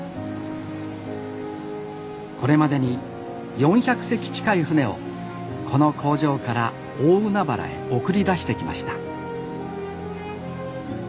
これまでに４００隻近い船をこの工場から大海原へ送り出してきました